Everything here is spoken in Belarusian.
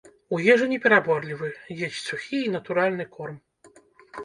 У ежы не пераборлівы, есць сухі і натуральны корм.